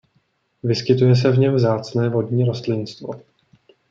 Vyskytuje se v něm vzácné vodní rostlinstvo.